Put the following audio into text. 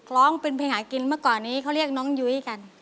ร้องเป็นเพลงหากินเมื่อก่อนนี้เขาเรียกน้องยุ้ยกัน